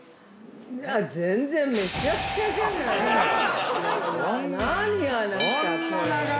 ◆全然、めちゃくちゃじゃない。